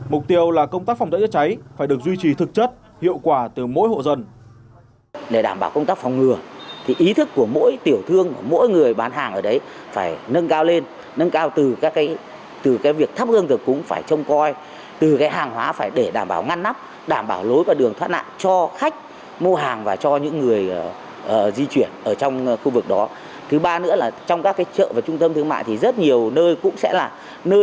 mục tiêu là công tác phòng cháy chữa cháy phải được duy trì thực chất hiệu quả từ mỗi hộ dân